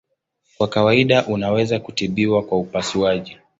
Kwa kawaida unaweza kutibiwa kwa upasuaji.